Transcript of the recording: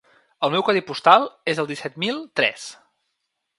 El meu codi postal és el disset mil tres.